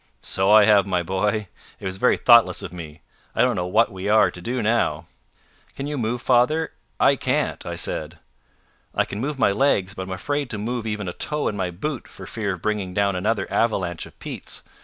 "So I have, my boy. It was very thoughtless of me. I don't know what we are to do now." "Can you move, father? I can't," I said. "I can move my legs, but I'm afraid to move even a toe in my boot for fear of bringing down another avalanche of peats.